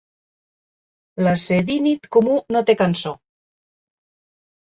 L'alcedínid comú no té cançó.